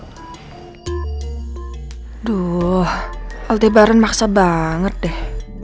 aduh hal tebaran maksa banget deh